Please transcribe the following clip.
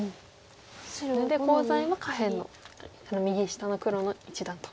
それでコウ材は下辺の右下の黒の一団と。